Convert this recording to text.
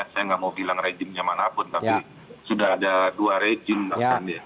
saya tidak mau bilang rejimnya mana pun tapi sudah ada dua rejim bahkan ya